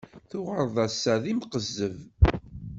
Tuɣaleḍ ass-a d imqezzeb.